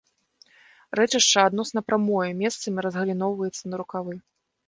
Рэчышча адносна прамое, месцамі разгаліноўваецца на рукавы.